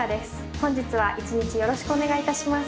本日は一日よろしくお願いいたします。